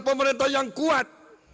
dan memiliki pertahanan yang kuat